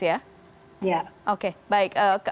ya oke baik